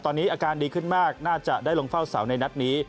ตอนนี้อาการดีขึ้นมากน่าจะได้ลงเฝ้าเสาในนัดนี้